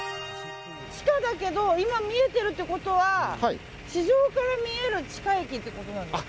地下だけど今見えてるってことは地上から見える地下駅っていうことですか？